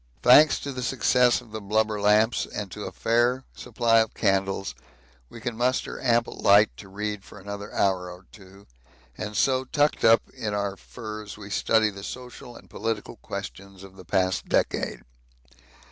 Thanks to the success of the blubber lamps and to a fair supply of candles, we can muster ample light to read for another hour or two, and so tucked up in our furs we study the social and political questions of the past decade.